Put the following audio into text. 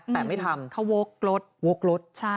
แต่ไม่ทำเขาโว๊กรถ